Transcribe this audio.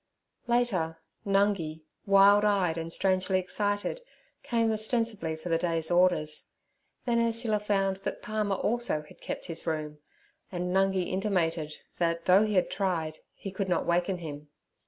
Later, Nungi, wild eyed and strangely excited, came ostensibly for the day's orders. Then Ursula found that Palmer also had kept his room, and Nungi intimated that, though he had tried, he could not waken him.